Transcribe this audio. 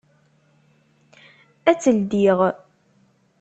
Ad tt-ldiɣ.